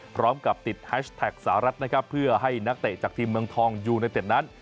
พร้อมกับติดแฮชแท็กสหรัฐนะครับเพื่อให้นักเตะจากทีมเมืองทองยูไนเต็ดนั้น